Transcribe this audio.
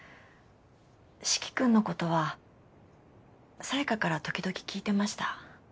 四鬼君のことは沙耶香から時々聞いてました。